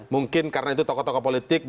mungkin karena itu tokoh tokoh politik